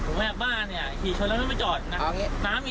คุณแม่บ้านเนี่ยถี่ชนแล้วไม่จอดนะ